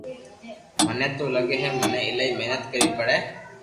ميني تو لگي ھي ڪي مني ايلائي محنت ڪروي ھي